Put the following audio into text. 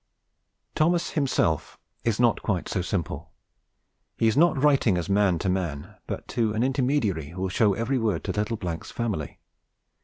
Thomas himself is not quite so simple. He is not writing as man to man, but to an intermediary who will show every word to 'little 's' family.